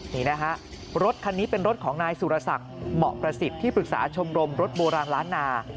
นี่นะฮะรถคันนี้เป็นรถของนายสุรศักดิ์เหมาะประสิทธิ์ที่ปรึกษาชมรมรถโบราณล้านนา